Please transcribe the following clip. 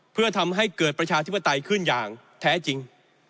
เพื่อทำให้เกิดประชาธิปไตยขึ้นอย่างแท้จริง